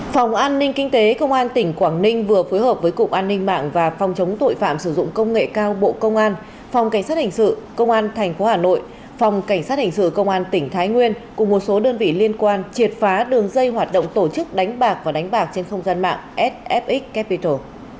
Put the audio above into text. phòng an ninh kinh tế công an tỉnh quảng ninh vừa phối hợp với cục an ninh mạng và phòng chống tội phạm sử dụng công nghệ cao bộ công an phòng cảnh sát hình sự công an tp hà nội phòng cảnh sát hình sự công an tỉnh thái nguyên cùng một số đơn vị liên quan triệt phá đường dây hoạt động tổ chức đánh bạc và đánh bạc trên không gian mạng sf capital